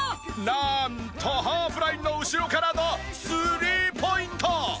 なんとハーフラインの後ろからのスリーポイント！